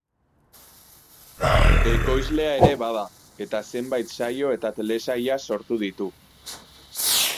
Ekoizlea ere bada eta zenbait saio eta telesaila sortu ditu.